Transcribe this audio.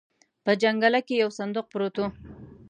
په جنګله کې يو صندوق پروت و.